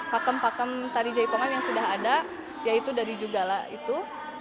pakem pakem tari jaipongan yang sudah ada yaitu dari jugala itu